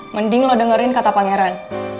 mending lo dengerin kata pangeran